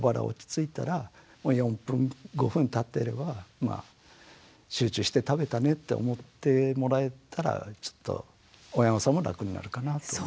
落ち着いたら４分５分たってればまあ集中して食べたねって思ってもらえたらきっと親御さんも楽になるかなと。